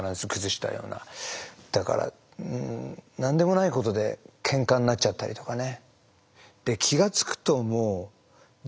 だから何でもないことでけんかになっちゃったりとかね。